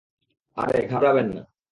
আরে ঘাবড়াবেন না।